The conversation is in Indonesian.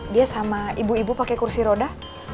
dia sama ibu ibu pakai kursi roda